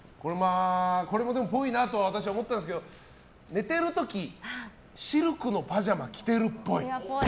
これも、ぽいなと私は思ったんですけど寝てる時シルクのパジャマ着てるっぽい。